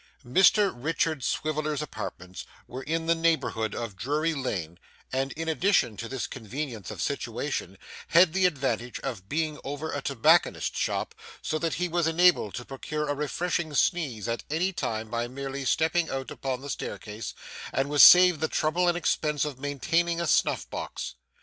Mr Richard Swiveller's apartments were in the neighbourhood of Drury Lane, and in addition to this convenience of situation had the advantage of being over a tobacconist's shop, so that he was enabled to procure a refreshing sneeze at any time by merely stepping out upon the staircase, and was saved the trouble and expense of maintaining a snuff box.